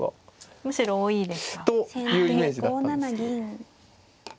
むしろ多いですか。というイメージだったんですけど。